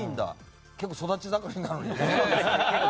育ち盛りなのに。